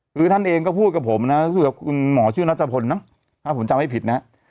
คือท่านเองก็พูดกับผมนะฮะคุณหมอชื่อนัตรภนนะฮะถ้าผมจำให้ผิดนะฮะ